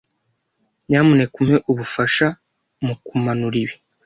Nyamuneka umpe ubufasha mukumanura ibi.